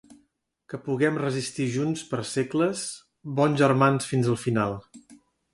Que puguem resistir junts per segles, bons germans fins al final.